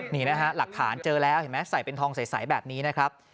นี่นะฮะหลักฐานเจอแล้วเห็นไหมใส่เป็นทองใสแบบนี้นะครับ